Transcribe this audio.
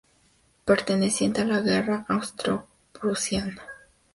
Perteneciente a la Guerra Austro-Prusiana.